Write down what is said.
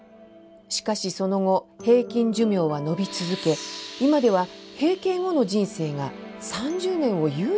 しかしその後平均寿命はのび続け今では閉経後の人生が３０年を優に超えています。